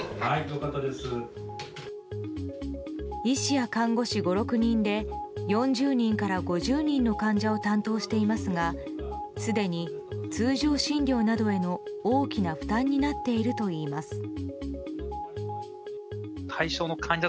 医師や看護師５６人で４０人から５０人の患者を担当していますがすでに通常診療などへの大きな負担になっているといいます。